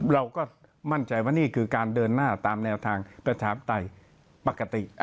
เราก็มั่นใจว่านี่คือการเดินหน้าตามแนวทางประชาธิปไตยปกติ